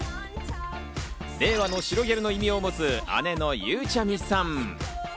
令和の白ギャルの異名を持つ姉のゆうちゃみさん。